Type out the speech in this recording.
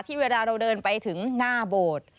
เวลาเราเดินไปถึงหน้าโบสถ์